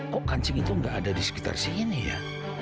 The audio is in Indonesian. kok kancing itu nggak ada di sekitar sini ya